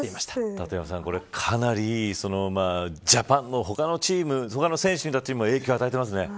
立岩さん、かなりジャパンの他の選手にとっても影響を与えてますね。